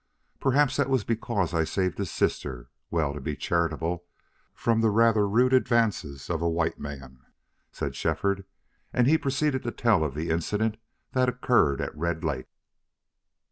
"Perhaps that was because I saved his sister well, to be charitable, from the rather rude advances of a white man," said Shefford, and he proceeded to tell of the incident that occurred at Red Lake.